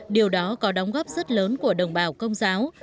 điều đó có đóng góp rất lớn của đồng bào công giáo